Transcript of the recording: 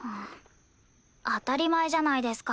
当たり前じゃないですか。